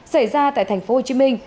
xảy ra tại tp hcm